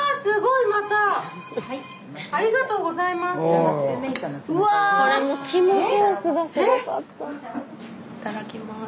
いただきます。